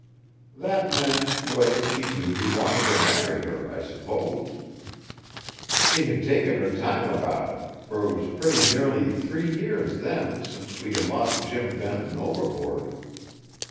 That meant, whether she knew he wanted to marry her, I suppose. She had taken her time about it, for it was pretty nearly three years then since we had lost Jim Benton overboard.